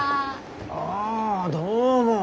ああどうも。